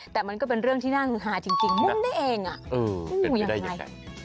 แต่มันก็เป็นเรื่องที่น่าเงินหาจริงมุ่งได้เองอ่ะอย่างไร